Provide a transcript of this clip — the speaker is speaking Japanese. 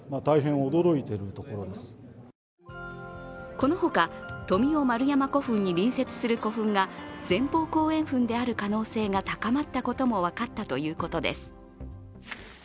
このほか富雄丸山古墳に隣接する古墳が前方後円墳である可能性が高まったことも分かったということです。